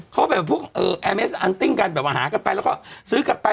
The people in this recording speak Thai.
เขาแบบพวกแอร์เมสอันติ้งกันแบบว่าหากันไปแล้วก็ซื้อกลับไป